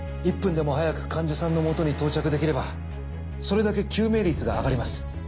１分でも早く患者さんのもとに到着できればそれだけ救命率が上がります。